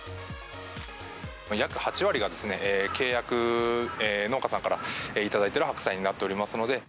約８割が契約農家さんからいただいてる白菜になっております